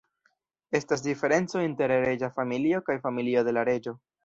Estas diferenco inter reĝa familio kaj familio de la reĝo.